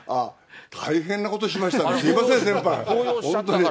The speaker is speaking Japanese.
大変なことしましたね、すみません、先輩、本当に。